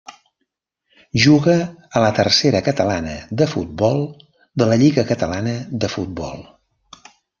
Juga a la Tercera catalana de futbol de la lliga catalana de futbol.